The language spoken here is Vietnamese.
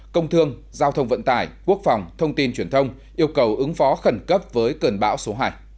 công thương giao thông vận tải quốc phòng thông tin truyền thông yêu cầu ứng phó khẩn cấp với cơn bão số hai